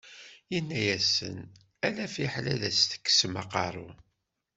Yenna-asen, ala fiḥel ad as-teksem aqerru.